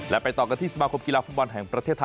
และไปต่อกันที่สมาคมกีฬาฟุตบอลแห่งประเทศไทย